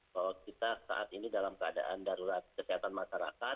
bahwa kita saat ini dalam keadaan darurat kesehatan masyarakat